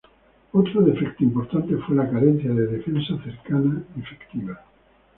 Otro defecto importante fue la carencia de defensa cercana efectiva.